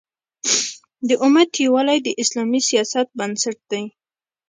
د امت یووالی د اسلامي سیاست بنسټ دی.